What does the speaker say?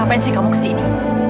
ngapain sih kamu kesini